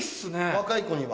若い子には。